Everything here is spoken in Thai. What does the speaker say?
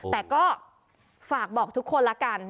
แต่ก็ฝากบอกทุกคนละกัน